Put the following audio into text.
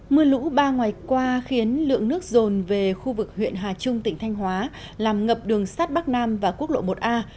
mưa lũ ba ngày qua khiến lượng nước rồn về khu vực huyện hà trung tỉnh thanh hóa làm ngập đường sát bắc nam và quốc lộ một a